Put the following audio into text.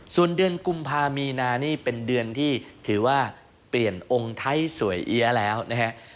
ส่วนเดือนกุมภามีนานี่เป็นเดือนที่ถือว่าเปลี่ยนองค์ไทยสวยเอี๊ยะแล้วนะฮะ